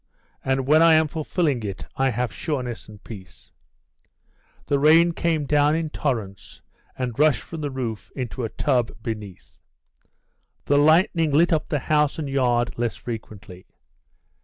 And when I am fulfilling it I have sureness and peace." The rain came down in torrents and rushed from the roof into a tub beneath; the lightning lit up the house and yard less frequently.